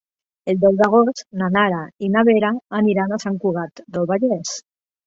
El deu d'agost na Nara i na Vera aniran a Sant Cugat del Vallès.